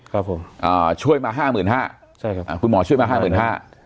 ครับผมอ่าช่วยมาห้าหมื่นห้าใช่ครับอ่าคุณหมอช่วยมาห้าหมื่นห้า